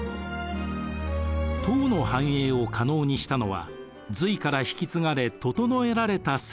唐の繁栄を可能にしたのは隋から引き継がれ整えられた制度でした。